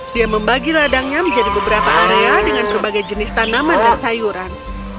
dia membagi ladangnya menjadi beberapa area dengan berbagai jenis tanaman dan sayuran